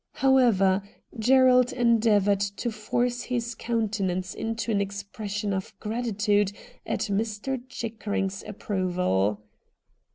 However, Gi erald endeavoured to force his countenance into an expression of gratitude at Mr. Chickering's approval.